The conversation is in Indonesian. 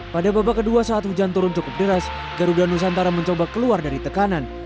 pada babak kedua saat hujan turun cukup deras garuda nusantara mencoba keluar dari tekanan